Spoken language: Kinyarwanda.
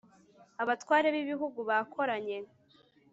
abatware b'ibihugu bakoranye